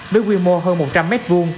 với quy mô hơn một trăm linh m hai